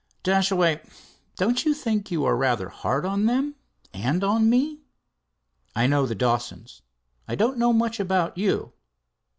"Dashaway, don't you think you are rather hard on them and on me?" "I know the Dawsons I don't know much about you."